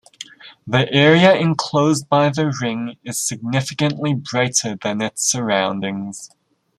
The area enclosed by the ring is significantly brighter than its surroundings.